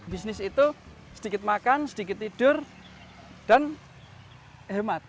bisnis itu sedikit makan sedikit tidur dan hemat